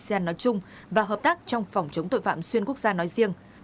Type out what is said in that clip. asean nói chung và hợp tác trong phòng chống tội phạm xuyên quốc gia nói riêng